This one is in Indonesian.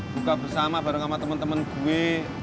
buka bersama bareng sama temen temen gue